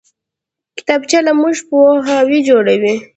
کتابچه له موږ پوهان جوړوي